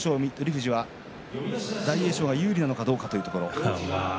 富士は大栄翔が有利なのかどうかというところ。